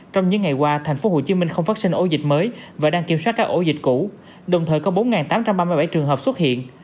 trong những ngày qua tp hcm không phát sinh ổ dịch mới và đang kiểm soát các ổ dịch cũ đồng thời có bốn tám trăm ba mươi bảy trường hợp xuất hiện